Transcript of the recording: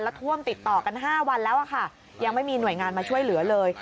ท่วมติดต่อกัน๕วันแล้วค่ะยังไม่มีหน่วยงานมาช่วยเหลือเลย